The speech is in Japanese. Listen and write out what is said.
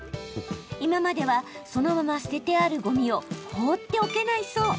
今ではそのまま捨ててあるごみを放っておけないそう。